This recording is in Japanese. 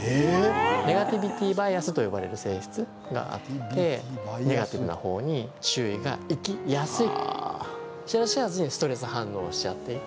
ネガティビティバイアスと呼ばれる性質があってネガティブな方に注意がいきやすい。